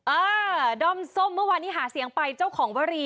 เออด้อมส้มเมื่อวานนี้หาเสียงไปเจ้าของวรี